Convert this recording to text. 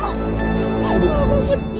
pak bangun pak